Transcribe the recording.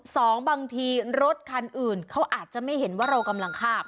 สองบางทีรถคันอื่นเขาอาจจะไม่เห็นว่าเรากำลังข้าม